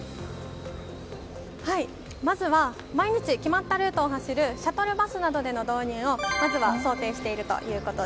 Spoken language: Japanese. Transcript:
まずは毎日決まったルートを走るシャトルバスなどでの導入をまずは想定している